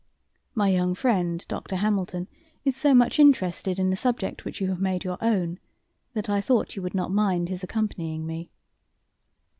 My young friend, Dr. Hamilton, is so much interested in the subject which you have made your own, that I thought you would not mind his accompanying me."